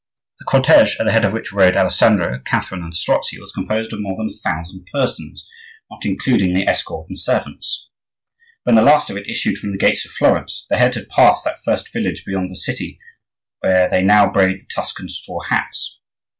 The cortege, at the head of which rode Alessandro, Catherine, and Strozzi, was composed of more than a thousand persons, not including the escort and servants. When the last of it issued from the gates of Florence the head had passed that first village beyond the city where they now braid the Tuscan straw hats.